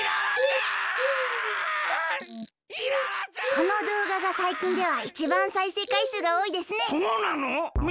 このどうががさいきんではいちばんさいせいかいすうがおおいですね。